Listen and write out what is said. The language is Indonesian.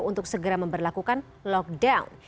untuk segera memperlakukan lockdown